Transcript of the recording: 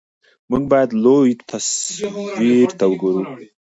موږ باید لوی تصویر ته وګورو.